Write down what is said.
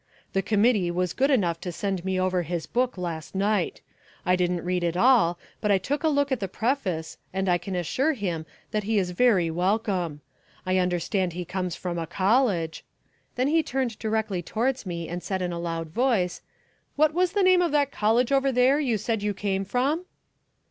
"The committee was good enough to send me over his book last night. I didn't read it all but I took a look at the preface and I can assure him that he is very welcome. I understand he comes from a college...." Then he turned directly towards me and said in a loud voice, "What was the name of that college over there you said you came from?"